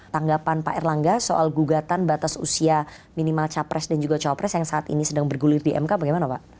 tanggapan pak erlangga soal gugatan batas usia minimal capres dan juga cawapres yang saat ini sedang bergulir di mk bagaimana pak